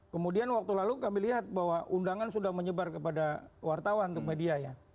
kemudian waktu lalu kami lihat bahwa undangan sudah menyebar kepada wartawan untuk media ya